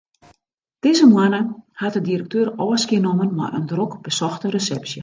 Dizze moanne hat de direkteur ôfskie nommen mei in drok besochte resepsje.